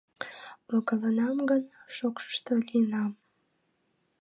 Логалынам гын, шокшышто лийынам.